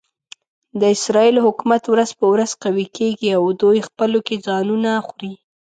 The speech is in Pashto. د اسرایلو حکومت ورځ په ورځ قوي کېږي او دوی خپلو کې ځانونه خوري.